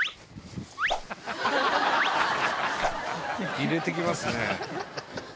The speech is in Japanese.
入れて来ますね。